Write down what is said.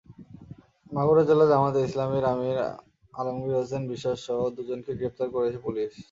মাগুরা জেলা জামায়াতে ইসলামীর আমির আলমগীর হোসেন বিশ্বাসসহ দুজনকে গ্রেপ্তার করেছে পুলিশ।